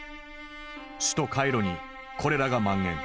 首都カイロにコレラが蔓延。